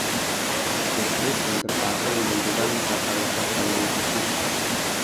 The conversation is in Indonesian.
Kartrid yang terpasang menentukan tata letak Panggung Khusus.